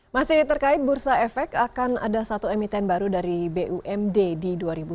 masih terkait bursa efek akan ada satu emiten baru dari bumd di dua ribu dua puluh